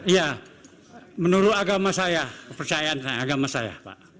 ya menurut agama saya percayaan agama saya